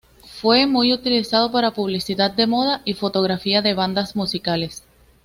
Fue muy utilizado para publicidad de moda y fotografía de bandas musicales.